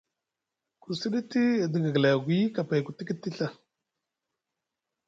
Ku siɗiti edi gaglay agwi kapay ku tikiti Ɵa.